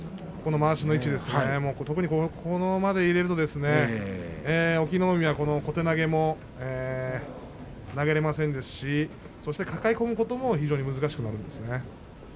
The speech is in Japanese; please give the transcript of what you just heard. まわしの位置、ここまで肩を入れると隠岐の海は小手投げも投げられませんし抱え込むことも非常に難しくなります。